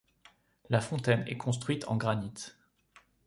La fontaine est construite en granit.